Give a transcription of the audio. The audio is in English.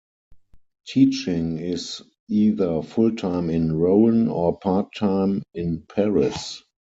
Teaching is either full-time in Rouen or part-time in Paris.